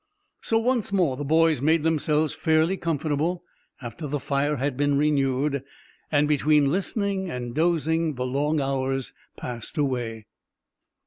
So once more the boys made themselves fairly comfortable, after the fire had been renewed, and between listening and dozing the long hours passed away.